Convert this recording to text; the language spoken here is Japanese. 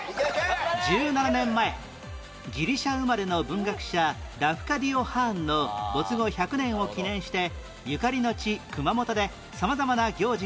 １７年前ギリシャ生まれの文学者ラフカディオ・ハーンの没後１００年を記念してゆかりの地熊本で様々な行事が開催